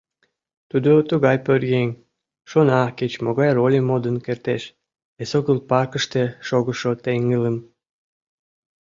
Тудо тугай пӧръеҥ, шона, кеч-могай рольым модын кертеш, эсогыл паркыште шогышо теҥгылым.